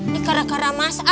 sim target pangkas